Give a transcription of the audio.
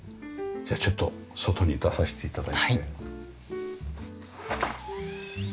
じゃあちょっと外に出させて頂いて。